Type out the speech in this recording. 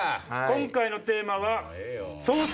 今回のテーマは。